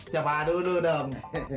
siapa dulu dong